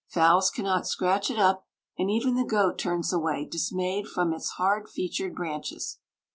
Fowls cannot scratch it up, and even the goat turns away dismayed from its hard featured branches.